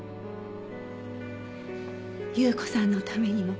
有雨子さんのためにも。